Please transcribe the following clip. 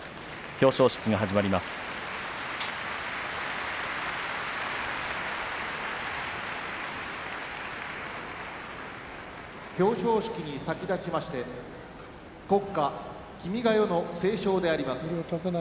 表彰式に先立ちまして国歌「君が代」の斉唱であります。